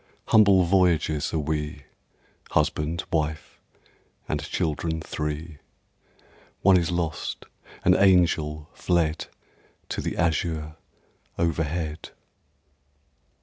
Humble voyagers are we, Husband, wife, and children three (One is lost an angel, fled To the azure overhead!)